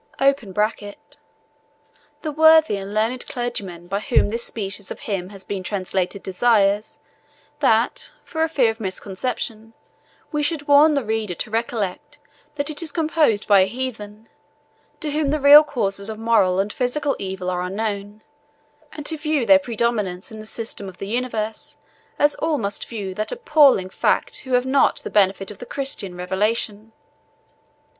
[The worthy and learned clergyman by whom this species of hymn has been translated desires, that, for fear of misconception, we should warn the reader to recollect that it is composed by a heathen, to whom the real causes of moral and physical evil are unknown, and who views their predominance in the system of the universe as all must view that appalling fact who have not the benefit of the Christian revelation.